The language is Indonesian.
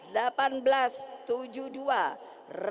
raden ajeng kasar